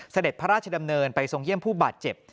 เสด็จพระราชดำเนินไปทรงเยี่ยมผู้บาดเจ็บ